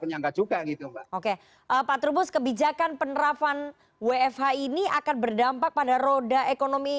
penyangga juga gitu mbak oke pak trubus kebijakan penerapan wfh ini akan berdampak pada roda ekonomi